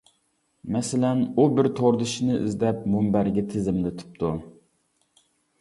مەسىلەن: ئۇ بىر توردىشىنى ئىزدەپ، مۇنبەرگە تىزىملىتىپتۇ.